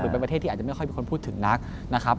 เป็นประเทศที่อาจจะไม่ค่อยมีคนพูดถึงนักนะครับ